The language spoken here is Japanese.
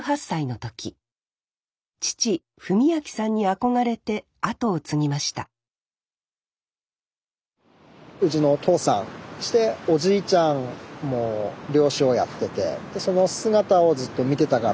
父・文明さんに憧れて後を継ぎましたうちのお父さんしておじいちゃんも漁師をやっててでその姿をずっと見てたから。